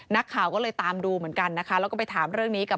นักข่าวก็เลยตามดูเหมือนกันนะคะแล้วก็ไปถามเรื่องนี้กับ